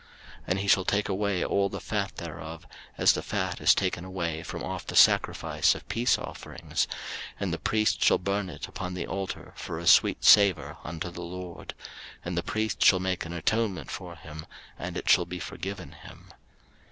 03:004:031 And he shall take away all the fat thereof, as the fat is taken away from off the sacrifice of peace offerings; and the priest shall burn it upon the altar for a sweet savour unto the LORD; and the priest shall make an atonement for him, and it shall be forgiven him.